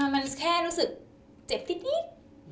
มันแค่รู้สึกเจ็บนิด